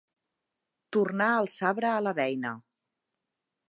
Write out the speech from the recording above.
Tornar el sabre a la beina.